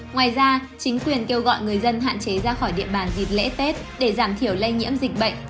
ngoài ra chính quyền kêu gọi người dân hạn chế ra khỏi địa bàn dịp lễ tết để giảm thiểu lây nhiễm dịch bệnh